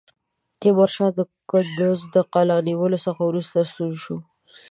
تیمورشاه کندوز د قلا نیولو څخه وروسته ستون شو.